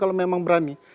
kalau memang berani